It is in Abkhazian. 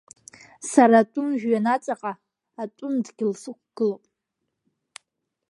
Сара атәым жәҩан аҵаҟа, атәым дгьыл сықәгылоуп.